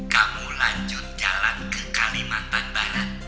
kamu lanjut jalan ke kalimantan barat